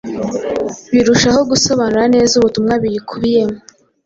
birushaho gusobanura neza ubutumwa buyikubiyemo.